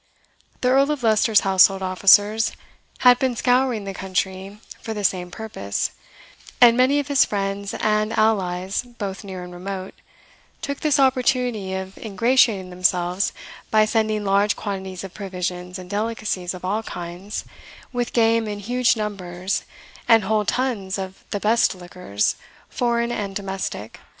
The Earl of Leicester's household officers had been scouring the country for the same purpose; and many of his friends and allies, both near and remote, took this opportunity of ingratiating themselves by sending large quantities of provisions and delicacies of all kinds, with game in huge numbers, and whole tuns of the best liquors, foreign and domestic.